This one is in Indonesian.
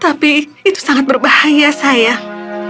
tapi itu sangat berbahaya sayang